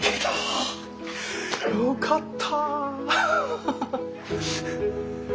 よかった。